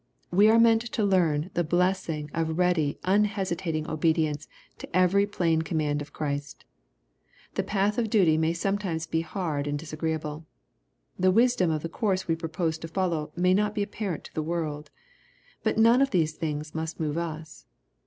We are meant to learn the blessing of ready unhesita* ting obedience to every plain command of Christ. The path of duty may sometimes be hard and disagreeable. The wisdom of the course we propose to follow may not be apparent to the world. But none of these things must move us.